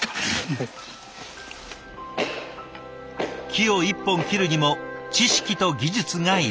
木を一本切るにも知識と技術がいる。